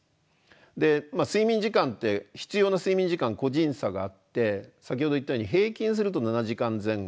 で睡眠時間って必要な睡眠時間個人差があって先ほど言ったように平均すると７時間前後。